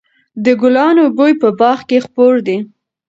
د ګلانو بوی په باغ کې خپور دی.